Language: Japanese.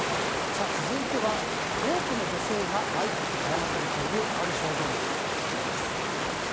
続いては、多くの女性が毎月悩まされているある症状について。